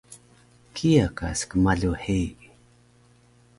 kiya ka skmalu hei